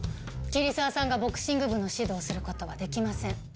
桐沢さんがボクシング部の指導をする事はできません。